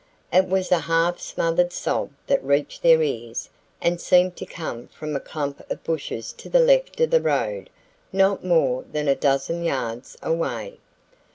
It was a half smothered sob that reached their ears and seemed to come from a clump of bushes to the left of the road not more than a dozen yards away.